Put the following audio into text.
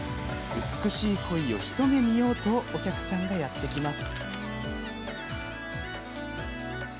美しいコイを一目見ようとお客さんがやって来ます。